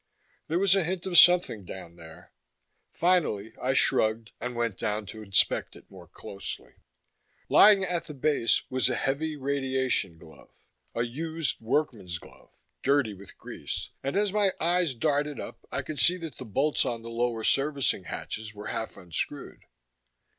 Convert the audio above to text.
There was a hint of something down there. Finally, I shrugged and went down to inspect it more closely. Lying at the base was a heavy radiation glove. A used, workman's glove, dirty with grease. And as my eyes darted up, I could see that the bolts on the lower servicing hatches were half unscrewed.